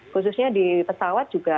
khususnya di pesawat juga